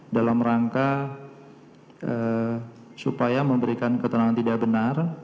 dalam rangka supaya memberikan keterangan tidak benar